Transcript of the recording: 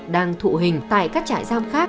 đang thụ hình tại các trại giam khác